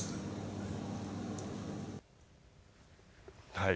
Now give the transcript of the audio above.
はい。